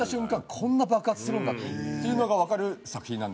こんな爆発するんだっていうのがわかる作品なんで。